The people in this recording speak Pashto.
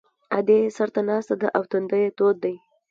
ادې یې سر ته ناسته ده او تندی یې تود دی